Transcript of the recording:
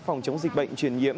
phòng chống dịch bệnh truyền nhiễm